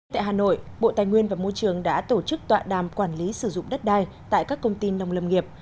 tại hà nội bộ tài nguyên và môi trường đã tổ chức tọa đàm quản lý sử dụng đất đai tại các công ty nông lâm nghiệp